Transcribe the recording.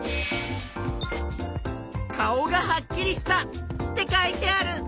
「顔がはっきりした」って書いてある！